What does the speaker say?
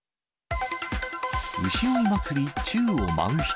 牛追い祭り、宙を舞う人。